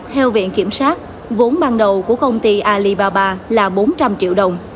theo viện kiểm sát vốn ban đầu của công ty alibaba là bốn trăm linh triệu đồng